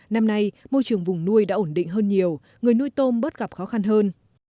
năm nay môi trường vùng nuôi đã ổn định hơn nhiều người nuôi tôm bớt gặp khó khăn hơn